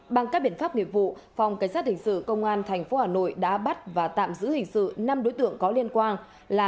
bằng các biện pháp nghiệp vụ phòng cảnh sát hình sự công an tp hà nội đã bắt và tạm giữ hình sự năm đối tượng có liên quan là